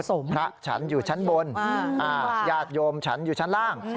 พระฉันอยู่ชั้นบนญาติโยมฉันอยู่ชั้นล่าง